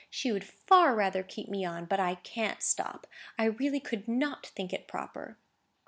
She would far rather keep me on; but I can't stop. I really could not think it proper."